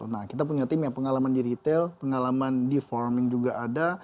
nah kita punya tim yang pengalaman di retail pengalaman di farming juga ada